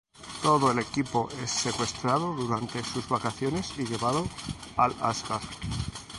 Todo el equipo es secuestrado durante sus vacaciones y llevado al Asgard.